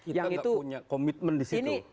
kita nggak punya komitmen disitu